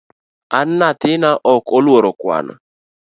An nyathina ok oluoro kwano